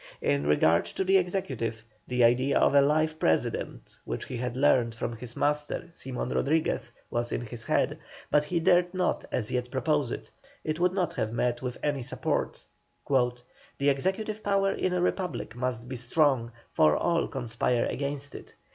In regard to the executive, the idea of a life President, which he had learned from his master, Simon Rodriguez, was in his head, but he dared not as yet propose it, it would not have met with any support: "The executive power in a Republic must be strong, for all conspire against it.